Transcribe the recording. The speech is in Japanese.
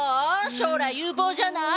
将来有望じゃない？